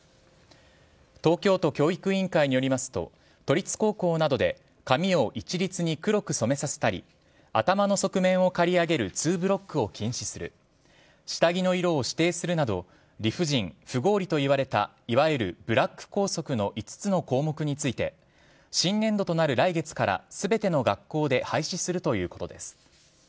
東京都教育委員会によりますと都立高校などで髪を一律に黒く染めさせたり頭の側面を刈り上げるツーブロックを禁止する下着の色を指定するなど理不尽、不合理と言われたいわゆるブラック校則の５つの項目について新年度となる来月から全ての学校で廃止するということです。